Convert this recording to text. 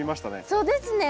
そうですね。